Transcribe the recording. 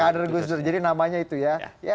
kader gus dur jadi namanya itu ya